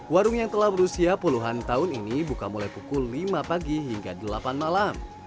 warung yang telah berusia puluhan tahun ini buka mulai pukul lima pagi hingga delapan malam